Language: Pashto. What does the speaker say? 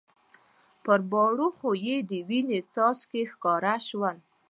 پر باړخو یې د وینې څاڅکي ښکاره شول.